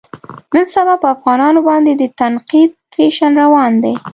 نن سبا په افغانانو باندې د تنقید فیشن روان دی.